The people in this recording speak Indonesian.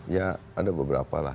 ya ada beberapa lah